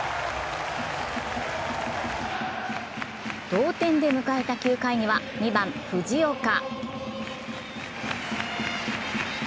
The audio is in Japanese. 同点で迎えた、９回には２番・藤岡。